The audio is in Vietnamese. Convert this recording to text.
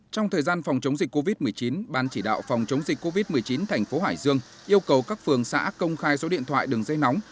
trong thời gian phòng chống dịch covid một mươi chín ban chỉ đạo phòng chống dịch covid một mươi chín thành phố hải dương yêu cầu các phường xã công khai số điện thoại đường dây nóng